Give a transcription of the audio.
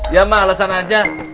ya mak alasan aja